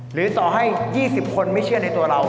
หรือต่อให้๒๐คนไม่เชื่อในตัวเรา